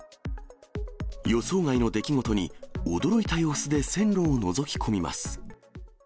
予想外の出来事に、驚いた様子で線路をのぞき込みます。